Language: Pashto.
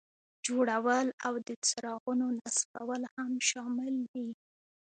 جوړول او د څراغونو نصبول هم شامل دي.